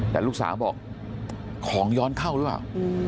แต่ลูกสาวบอกของย้อนเข้าหรือเปล่า